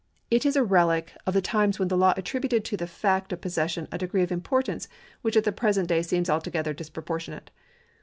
It is a relic of the times when the law attributed to the fact of possession a degree of importance which at the present day seems alto gether disproportionate.